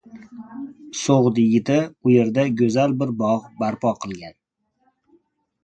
Soʻgʻd yigiti u yerda goʻzal bir bogʻ barpo qilgan.